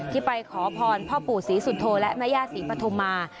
ที่ไปขอพรพ่อปู่ศรีสุทโทและมญาติศรีปฐมมา